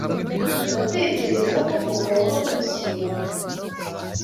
Ndatekereza ko ugomba kubisubiramo.